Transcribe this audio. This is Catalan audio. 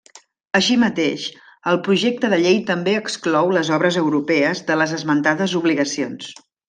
Així mateix, el projecte de llei també exclou les obres europees de les esmentades obligacions.